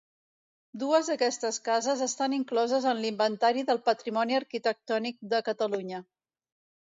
Dues d'aquestes cases estan incloses en l'Inventari del Patrimoni Arquitectònic de Catalunya.